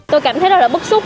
tôi cảm thấy rất là bức xúc